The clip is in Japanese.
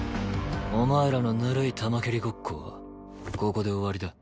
お前らのぬるい球蹴りごっこはここで終わりだ。